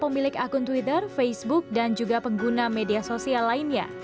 pemilik akun twitter facebook dan juga pengguna media sosial lainnya